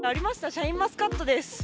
シャインマスカットです。